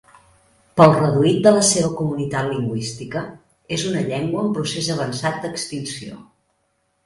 Pel reduït de la seva comunitat lingüística, és una llengua en procés avançat d'extinció.